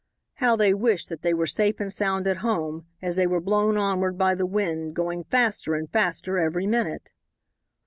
How they wished that they were safe and sound at home, as they were blown onward by the wind, going faster and faster every minute.